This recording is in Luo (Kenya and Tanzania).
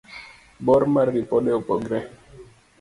bor mar ripode opogore